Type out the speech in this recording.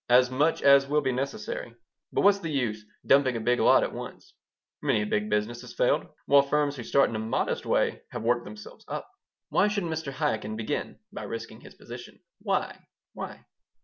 "As much as will be necessary. But what's the use dumping a big lot at once? Many a big business has failed, while firms who start in a modest way have worked themselves up. Why should Mr. Chaikin begin by risking his position? Why? Why?"